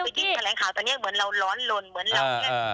ขอให้โชคดีนะ